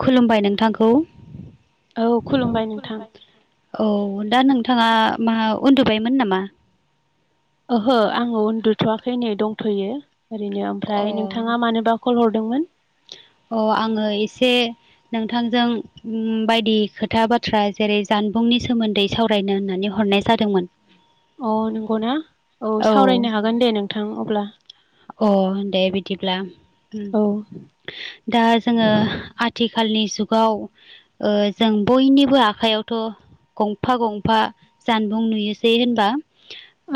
खुलुमबाय नोंथांखौ औ खुलुमबाय नोंथां खुमबाय औ दा नोंथाङा मा उन्दुबायमोन नामा? ओहो आङो उन्दुथ'वाखै नै दंथ'यो ओरैनो अ ओमफ्राय नोंथाङा मानोबा कल हरदोंमोन अ आङो एसे नोंथांजों बायदि खोथा बाथ्रा जेरै जानबुंनि सोमोन्दै सावरायनो होननानै हरनाय जादोंमोन। अ नंगौनाा औ सावरायनो हागोन दे नोंथां अब्ला अ दे बिदिब्ला। औ दा जोङो आथिखालनि जुगाव जों बयनिबो आखाइयावथ' गंफा गंफा जानबुं नुयोसै होनबा।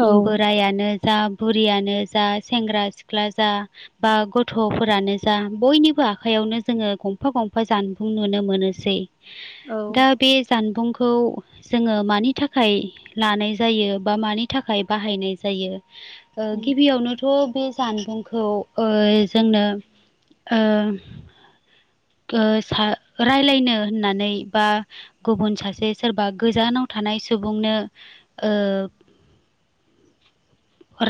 औ बोरायानो जा बुरियानो जा सेंग्रा सिख्ला जा बा गथ'फोरानो जा बयनिबो आखाइयावनो जोङो गंफा गंफा जानबुं नुनो मोनोसै। औ दा बे जानबुंखौ जोङो मानि थाखाय लानाय जायो बा मानि थाखाय बाहायनाय जायो। उम गिबियावनोथ' बे जानबुंखौ जोंनो स राय्लायनो होननानै बा गुबुन सासे सोरबा गोजानाव थानाय सुबुंनो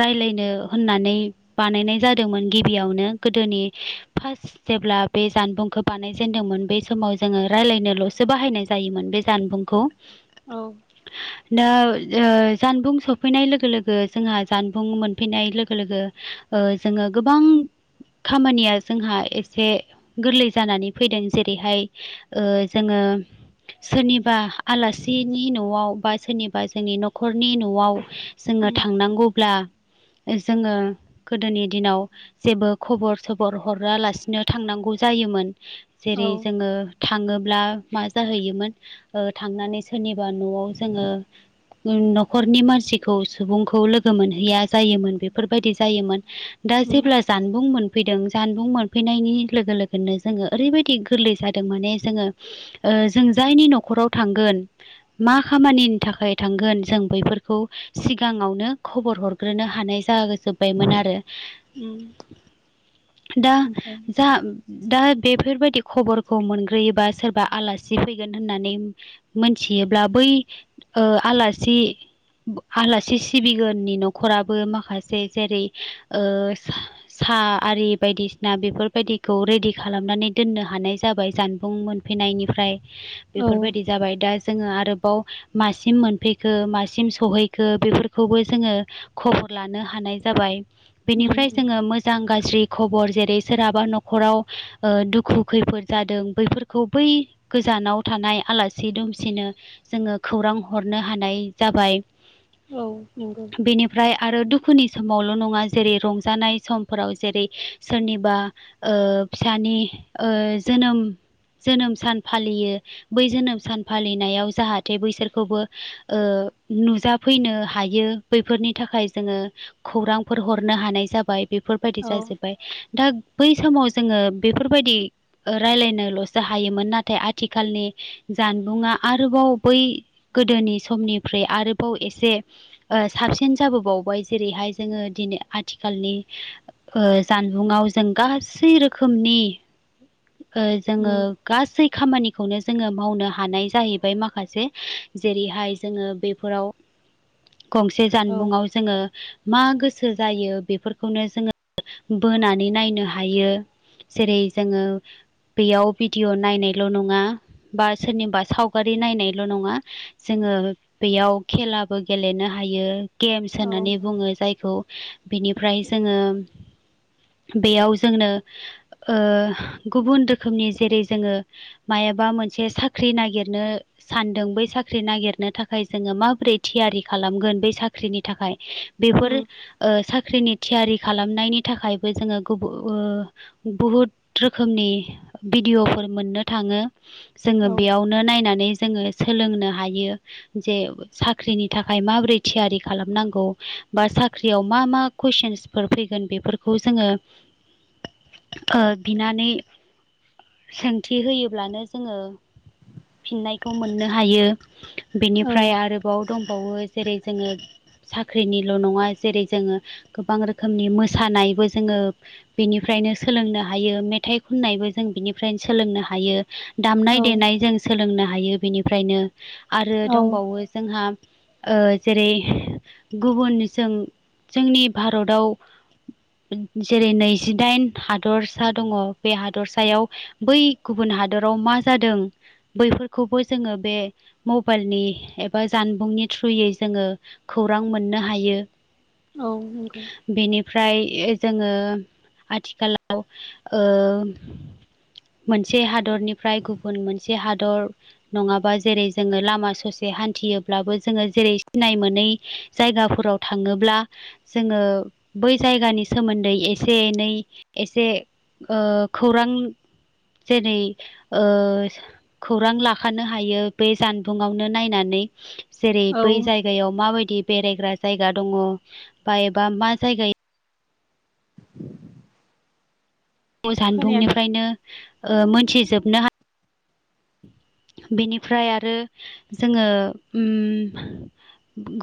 राय्लायनो होननानै बानायनाय जादोंमोन गिबियावनो गोदोनि फार्स्ट जेब्ला बे जानबुंखौ बानायजेनदोंमोन बै समाव जोङो रायज्लायनोल'सो बाहायनाय जायोमोन बे जानबुंखौ औ। [unintelligible] दा जानबुं सफैनाय लोगो लोगो जोंहा जानबुं मोनफैनाय लोगो लोगो जोङो गोबां खामानिया जोंहा एसे गोरलै जानानै फैदों जेरैहाय जोङो सोरनिबा आलासिनि न'आव बा सोरनिबा बा जोंनि न'खरनि न'आव जोङो उम थांनांगौब्ला जोङो गोदोनि दिनाव जेबो खबर सबर हरालासिनो थांनांगौ जायोमोन औ जेरै जोङो थाङोब्ला मा जाहैयोमोन थांनानै सोरनिबा न'आव जोङो न'खरनि मानसिखौ सुबुंखौ लोगो गो मोनहैया जायोमोन बेफोरबायदि जायोमोन दा उम जेब्ला जानबुं मोनफैदों जानबुं मोनफैनायनि लोगो लोगोनो जोङो ओरैबायदि गोरलै जादों। माने जोङो जों जायनि न'खराव थांगोन मा खामानिनि थाखाय थांगोन जों बैफोरखौ सिगाङावनो खबर हरग्रोनो हानाय जागोजोब उम ओमफ्राय [unintelligible] बेफोरबायदि खबरखौ मोनग्रोयोबा सोरबा आलासि फैगोन होननानै मोनथियोब्ला बै आलासि आलासि सिबिगोननि न'खराबो माखासे जेरै साहा आरि बायदिसिना बेफोरबायदिखौ रेडि खालाम खालामनानै दोननो हानाय जाबाय जानबुं मोनफैनायनिफ्राय औ बेफोरबायदि जाबाय दा जोङो आरोबाव मासिम मोनफैखो मासिम सहैखो बेफोरखौबो जोङो खबर लानो हानाय जाबाय। बेनिफ्राय उम जोङो मोजां गाज्रि खबर जेरै सोरहाबा न'खराव दुखु खैफोद जादों बैफोरखौ बै गोजानाव थानाय आलासि दुमसिनो जोङो खौरां हरनो हानाय जाबाय। औ नंगौ। बेनिफ्राय आरो दुखुनि समावल' नङा जेरै रंजानाय समफोराव जेरै सोरनिबा ओ फिसानि ओ जोनोम जोनोम सान फालियो बै जोनोम सान फालिनायाव जाहाथे बैसोरखौबो नुजाफैनो हायो बैफोरनि थाखाय जोङो खौरांफोर हरनो हानाय जाबाय बेफोरबायदि औ जाजोब्बाय दा बै समाव जोङो बेफोरबायदि रायलायनोल'सो हायोमोन नाथाय आथिखालनि जानबुङा आरोबाव बै गोदोनि समनिफ्राय आरोबाव एसे साबसिन जाबोबावबाय जेरैहाय जोङो दिनै आथिखालनि जानबुङाव जों गासै रोखोमनि जोङो उम गासै खामानिखौनो जोङो मावनो हानाय जाहैबाय माखासे जेरैहाय जोङो बेफोराव गंसे औ जानबुङाव जोङो मा गोसो जायो बेफोरखौनो जोङो बोनानै नायनो हायो। जेरै जोङो बेयाव भिडिअ' नायनायल' नङा बा सोरनिबा सावगारि नायनायल' नङा जोङो बेयाव खेलाबो गेलेनो हायो। गेम्स औ होननानै बुङो जायखौ बिनिफ्राय जोङो बेयाव जोंनो ओ गुबुन रोखोमनि जेरै जोङो मायाबा मोनसे साख्रि नागिरनो सानदों बै साख्रि नागिरनो थाखाय जोङो माबोरै थियारि खालामगोन बै साख्रिनि थाखाय बेफोर उम साख्रिनि थियारि खालामनायनि थाखायबो जोङो गुबु बुहुद रोखोमनि भिडिअ'फोर मोननो थाङो, जोङो औ बेयावनो नायनानै जोङो सोलोंनो हायो। जे साख्रिनि थाखाय माबोरै थियारि खालामनांगौ बा साख्रियाव मा मा कुइसनस फैगोन, बेफोरखौ जोङो बिना नै सोंथि होयोब्लानो जोङो फिननायखौ मोननो हायो। औ बेनिफ्राय आरो बाव दंबावो जेरै जोङो साख्रिनिल' नङा जेरै जोङो गोबां रोखोमनि मोसानायबो जोङो बेनिफ्रायनो सोलोंनो हायो, मे थाइ खननायबो जों बिनिफ्रायनो सोलोंनो हायो, दामनाय औ देनाय जों सोलोंनो हायो बेनिफ्रायनो आरो औ दंबावो जोंहा जेरै गुबुनजों जोंनि भारताव जेरै नैजिदाइन हादरसा दङ बे हादरसायाव बै गुबुन हादराव मा जादों बैफोरखौबो जोङो बे मबाइलनि एबा जानबुंनि थ्रुयै जोङो खौरां मोननो हायो। औ नंगौ। बेनिफ्राय जोङो आथिखालाव मोनसे हादरनिफ्राय गुबुन मोनसे हादर नङाबा जेरै जोङो लामा ससे हान्थियोब्लाबो जोङो जेरै सिनाय मोनै जायगाफोराव थाङोब्ला जोङो बै जायगानि सोमोन्दै एसे एनै एसे ओ खौरां जेरै ओ खौरां लाखानो हायो बे जानबुंआवनो नायनानै जेरै औ बै जायगायाव माबायदि बेरायग्रा जायगा दङ बा एबा मा जायगायाव खोनाया जानबुंनिफ्रायनो ओ मोनथिजोबनो हायो। बेनिफ्राय आरो जोङो ओम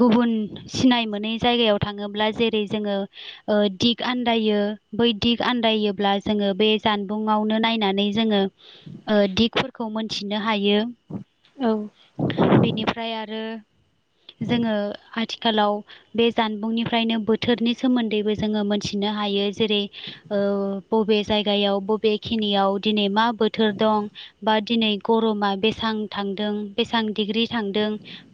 गुबुन सिनाय मोनै जायगायाव थाङोब्ला जेरै जोङो ओ दिग आन्दायो बै दिग आन्दायोब्ला जोङो बे जानबुंआवनो नायनानै जोङो ओ दिगफोरखौ मोनथिनो हायो। औ। बेनिफ्राय आरो जोङो आथिखालाव बे जानबुंनिफ्रायनो बोथोरनि सोमोन्दैबो जोङो मोनथिनो हायो। जेरै ओ बबे जायगायाव बबेखिनियाव दिनै मा बोथोर दं बा दिनै गरमा बेसां थांदों। बेसेबां डिग्रि थांदों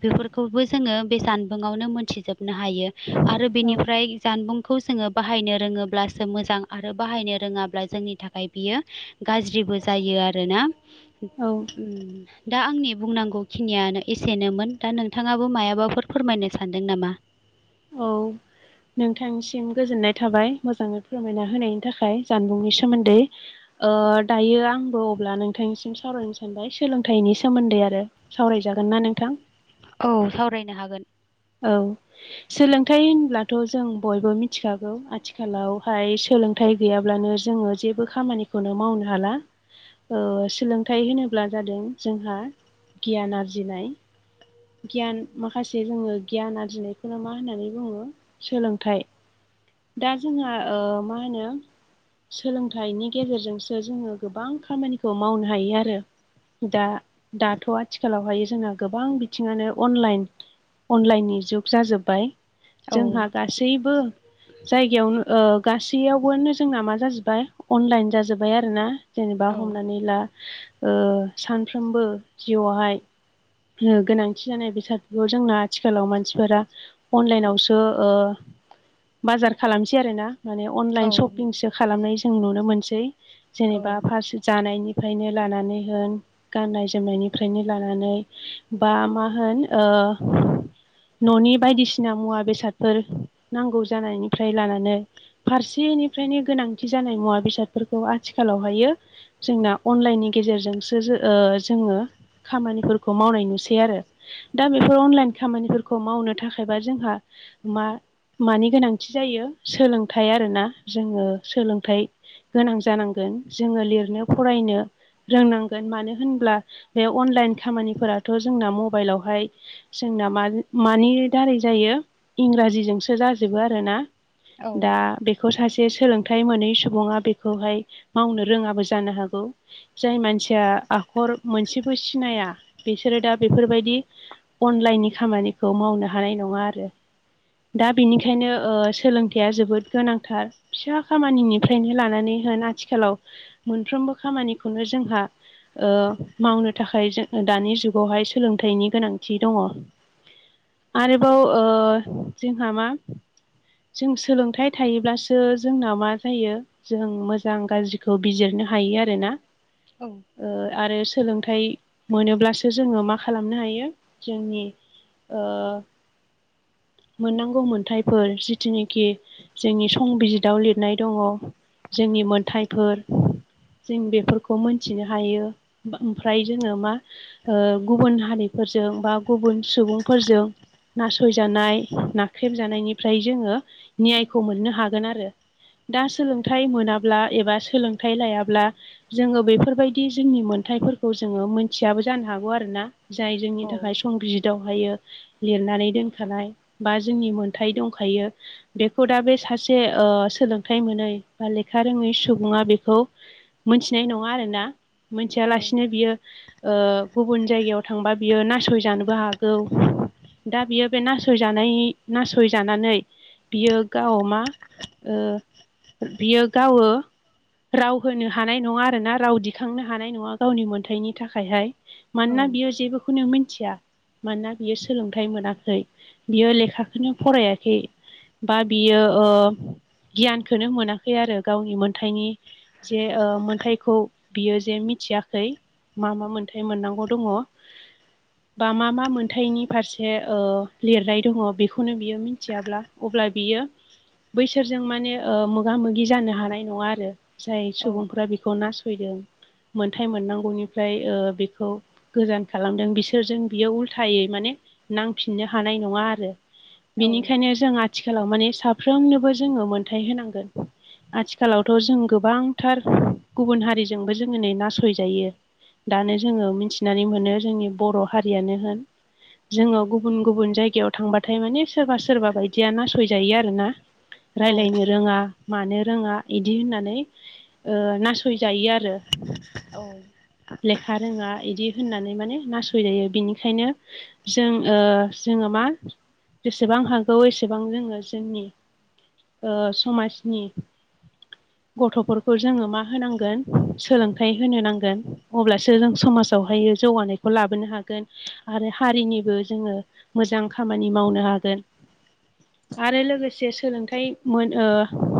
बेफोरखौबो जोङो बे जानबुङाआवनो मोनथिजोबनो हायो। आरो औ बेनिफ्राय जानबुं खौ जोङो बाहायनो रोङोब्लासो मोजां आरो बाहायनो रोङाब्ला जोंनि थाखाय बेयो गाज्रिबो जायो आरोना। औ दा आंनि बुंनांगौ खिनियानो एसेनोमोन। दा नोंथाङाबो मायाबाफोर फोरमायनो सानदों नामा? औ। नोंथांनिसिम गोजोननाय थाबाय मोजाङै फोरमायना होनायनि थाखाय जानबुंनि सोमोन्दै। ओ दायो आंबो अब्ला नोंथांनिसिम सावरायनो सानबाय सोलोंथाइनि सोमोन्दै आरो। सावराय जागोनना नोंथां? औ सावरायनो हागोन। औ। सोलोंथाइ होनब्लाथ' जों बयबो मिथिखागौ आथिखालावहाय सोलों थाय गैयाब्लानो जोङो जेबो खामानिखौनो मावनो हाला। ओ सोलोंथाइ होनोब्ला जादों जोंहा गियान आरजिनाय। गियान माखासे जोङो गियान आरजिनायखौनो मा होननानै बुङो सोलोंथाइ। दा जोंहा ओ मा होनो सोलोंथाइनि गेजेरजोंसो जोङो गोबां खामानिखौ मावनो हायो आरो। दा दाथ' आथिखालावहाय जोंहा गोबां बिथिङानो अनलाइन। अनलाइननि जुग जाजोब्बाय, औ जोंहा गासैबो जायगायावनो ओ गासैयावबोनो जोंना मा जाजोब्बाय अनलाइन जाजोब्बाय आरोना। जेनेबा औ हमनानै ला ओ सानफ्रोमबो जिउआवहाय गोनांथि जानाय बेसादफोरखौ जोंना आथिखालाव मानसिफोरा अनलाइनावसो ओ बाजार खालामसै आरोना। माने औ अनलाइन सपिंसो खालामनाय जों नुनो मोनसै जेनेबा फारसे जानायनि फ्रायनो लानानै होन गाननाय जोमनायनिफ्रायनो लानानै बा मा होन ओ न'नि बायदिसिना मुवा बेसादफोर नांगौ जानायनिफ्राय लानानै फारसेनिफ्रायनो गोनांथि जानाय मुवा बेसादफोरखौ आथिखालावहायो जोंना अनलाइननि गेजेरजोंसो ओ जोङो खामानिफोर खौ मावनाय नुसै आरो दा बेफोर अनलाइन खामानिफोरखौ मावनो थाखायबा जोंहा मा मानि गोनांथि जायो सोलोंथाइ आरोना जोङो सोलोंथाइ गोनां जानांगोन। जोङो लिरनो फरायनो रोंनांगोन मानो होनब्ला बे अनलाइन खामानिफोराथ' जोंना मबाइलावहाय जोंना मा मानि दारै जायो इंराजिजोंसो जाजोबो आरोना। औ दा बे खौ सासे सोलोंथाइ मोनै सुबुङा बेखौहाय मावनो रोङाबो जानो हागौ। जाय मानसिया आखर मोनसेबो सिनाया बिसोरो दा बेफोर बायदि अनलाइननि खामानिखौ मावनो हानाय नङा आरो। दा बिनिखायनो ओ सोलोंथाइया जोबोद गोनांथार। फिसा खामानिनिफ्रायनो लानानै होन आथिखालाव मोनफ्रोमबो खामानिखौनो जोंहा ओ मावनो थाखाय जों दानि जुगावहाय सोलोंथाइनि गोनांथि दङ आरोबाव ओ जोंहा मा जों सोलोंथाइ थायोब्लासो जोंना मा जायो जों मोजां गाज्रिखौ बिजिरनो हायो आरोना औ आरो सोलोंथाइ मोनोब्लासो जोंङो मा खालामनो हायो जोंनि ओ मोननांगौ मोनथाइफोर जिथुनिखि जोंनि संबिजिताव लिरनाय दङ' जोंनि मोन्थाइफोर जों बेफोरखौ मोनथिनो हायो ओमफ्राय जोंङो मा ओ गुबुन हारिफोरजों बा गुबुन सुबुंफोरजों नासयजानाय नाख्रेबजानायनिफ्राय जोंङो नियायखौ मोननो हागोन आरो। दा सोलोंथाइ मोनाब्ला एबा सोलोंथाइ लायाब्ला जोंङो बेफोरबायदि जोंनि मोनथथायफोरखौ जोङो मिथियाबो जानो हागौ आरो ना जाय जोंनि थाखाय संबिजित दावहायो लिरनानै दोनखानाय बा जोंनि मोनथाय दंखायो। बेखौ दा बे सासे ओ सोलोंथाइ मोनै बा लेखा रोंङै सुबुंङा बेखौ मोनथिनाय नंङा आरोना। मोनथियालासिनो बियो ओ गुबुन जायगायाव थांबा बियो नासयजानोबो हागौ दा बियो बे नासयजानाय नासयजानानै बियो गाव मा ओ बियो गावो राव होनो हानाय नङा आरोना राव दिखांनो हानाय नङा गावनि मोन्थायनि था खायहाय। औ मानोना बियो जेबोखौनो मिथिया मानोना बियो सोलोंथाइ मोनाखै बियो लेखाखौनो फरायाखै बा बियो ओ गियानखौनो मोनाखै आरो गावनि मोनथायनि जे ओ मोनथायखौ बियो जे मिथियाखै मा मा मोनथाय मोननांगौ दङ बा मा मा मोनथायनि फारसे ओ लिरनाय दङ बेखौनो बियो मिथियाब्ला अब्ला बियो बैसोरजों माने ओ मोगा मोगि जानो हानाय नङा आरो जाय सुबुंफोरा बेखौ नासयदों मोनथाय मोननांगौनिफ्राय बेखौ गोजान खालामदों बिसोरजों बियो उल्थायै माने नांफिननो हानाय नंङा आरो। बिनिखायनो जों आथिखालाव माने साफ्रोमनोबो जोङो मोनथथाय होनांगोन। आथिखालावथ' जों गोबांथार गुबुन हारिजोंबो जोंङो नै नासयजायो दानो जोंङो मिथिनानै मोनो जोंनि बर' हारियानो होन जोंङो गुबुन गुबुन जायगायाव थांबाथाय माने सोरबा सोरबा बायदिया नासयजायो आरो ना। रायज्लायनो रोंङा मानो रोंङा बिदि होननानै ओ नासयजायो आरो। औ लेखा रोंङा इदि होननानै माने नासय जायो बिनिखायनो जों ओ जोंङो मा जेसेबां हागौ एसेबां जोङो जोंनि ओ समाजनि गथ'फोरखौ जोंङो मा होनांगोन सोलोंथाइ होनो नांगोन अब्लासो जों समाजावहायो जौगानायखौ लाबोनो हागोन। आरो हारिनिबो जोङो मोजां खामानि मावनो हागोन आरो लोगोसे सोलोंथाइ मोन ओ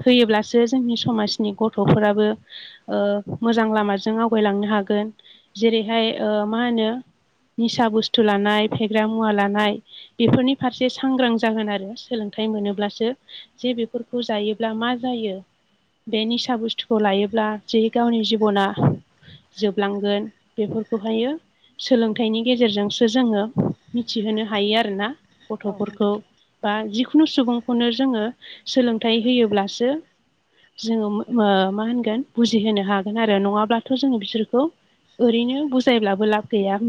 होयोब्लासो जोंनि समाजनि गथ'फोराबो ओ मोजां लामाजों आवगायलांनो हागोन जेरैहाय ओ मा होनो निसा बुस्थु लानाय फेग्रा मुवा लानाय। बेफोरनि फारसे सांग्रां जागोन आरो सोलोंथाइ मोनोब्लासो। जे बेफोरखौ जायोब्ला मा जायो। बे निसा बुस्थुखौ लायोब्ला जि गावनि जिबना। जोबलांगोन बेफोरखौ हायो। सोलोंथाइनि गेजेरजोंसो जोङो मिथिहोनो हायो आरोना‌। औ गथ'फोरखौ औ बा जिखुनु सुबुंखौनो जोंङो सोलोंथाइ होयोब्लासो जोङो ओ मा होनगोन बुजिहोनो हागोन आरो नङाब्लाथ' जोङो बिसोरखौ ओरैनो बुजायब्लाबो लाब गैया।